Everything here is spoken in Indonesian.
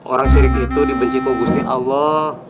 orang sirik itu dibenci kogusti allah